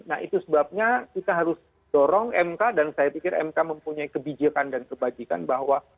nah itu sebabnya kita harus dorong mk dan saya pikir mk mempunyai kebijakan dan kebajikan bahwa